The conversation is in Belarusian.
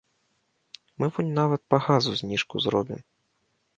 Мы вунь нават па газу зніжку зробім.